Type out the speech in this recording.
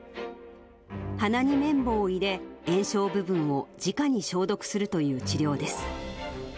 鼻に綿棒を入れ、炎症部分をじかに消毒するという治療です。